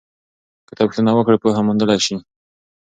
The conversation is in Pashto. که ته پوښتنه وکړې پوهه موندلی سې.